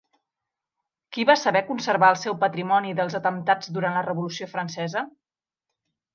Qui va saber conservar el seu patrimoni dels atemptats durant la Revolució Francesa?